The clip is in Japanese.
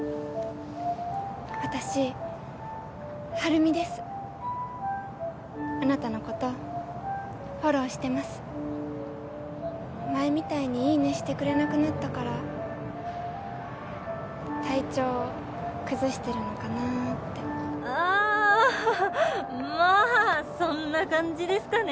私はるみですあなたのことフォローしてます前みたいにいいねしてくれなくなったから体調崩してるのかなってあぁまぁそんな感じですかね